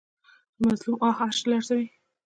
د مظلوم آه عرش لرزوي